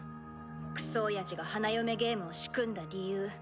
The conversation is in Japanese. クソおやじが花嫁ゲームを仕組んだ理由。